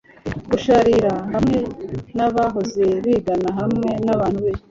gusharira hamwe nabahoze bigana hamwe nabantu be